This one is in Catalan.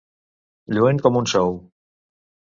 Lluent com un sou.